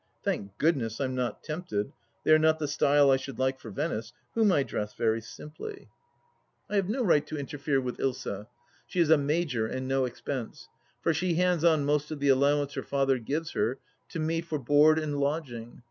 Thank Goodness I'm not tempted ; they are not the style I should like for Venice, whom I dress very simply. 22 THE LAST DITCH I have no right to interfere with Ilsa. She is a major and no expense, for she hands on most of the allowance her father gives her to me for board and lodging.